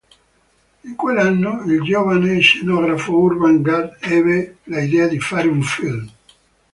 In quell'anno il giovane scenografo Urban Gad ebbe l'idea di fare un film.